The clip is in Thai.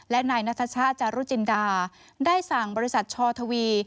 และนายนัทชาติจารุจินดาได้สั่งบริษัทชอทวี